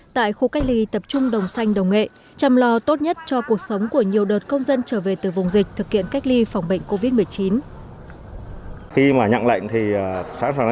tại khu cách ly tập trung đồng xanh đồng nghệ chăm lo tốt nhất cho cuộc sống của nhiều đợt công dân trở về từ vùng dịch thực hiện cách ly phòng bệnh covid một mươi chín